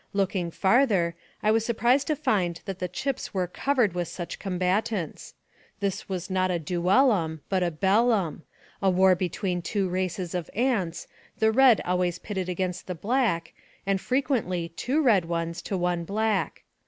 Looking farther, I was surprised to find that the chips were covered with such combatants, that it was not a duellum, but a bellum, a war between two races of ants, the red always pitted against the black, and frequently two red ones to one black.